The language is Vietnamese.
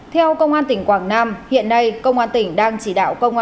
theo công an tỉnh quảng nam hiện nay công an tỉnh đang chỉ đạo công an tỉnh quảng nam